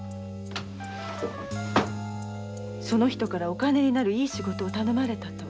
いお金になるいい仕事を頼まれたと。